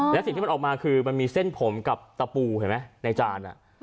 และสิ่งที่มันออกมาคือมันมีเส้นผมกับตะปูเห็นไหมในจาน